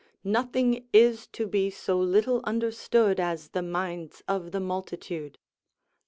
["Nothing is to be so little understood as the minds of the multitude."